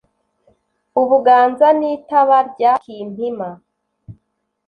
u buganza n’itaba rya kimpima